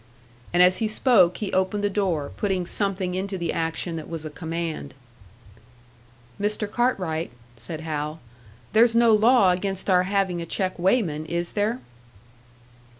And as he spoke he opened the door, putting something into the action that was a command. "Mr. Cartwright," said Hal, "there's no law against our having a check weighman, is there?"